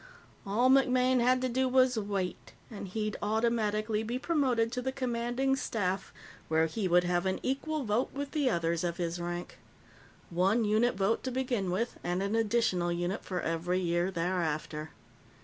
All MacMaine had to do was wait, and he'd automatically be promoted to the Commanding Staff, where he would have an equal vote with the others of his rank. One unit vote to begin with and an additional unit for every year thereafter.